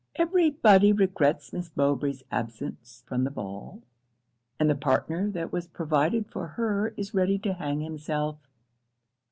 Every body regrets Miss Mowbray's absence from the ball; and the partner that was provided for her is ready to hang himself.'